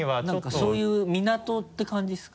そういう港って感じですか？